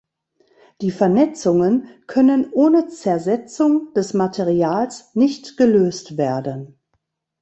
Die Vernetzungen können ohne Zersetzung des Materials nicht gelöst werden.